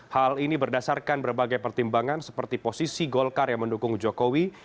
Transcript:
hal ini berdasarkan berbagai pertimbangan seperti posisi golkar yang mendukung jokowi